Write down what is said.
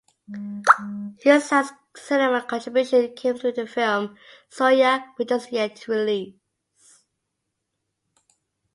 His last cinema contribution came through the film "Surya" which is yet to release.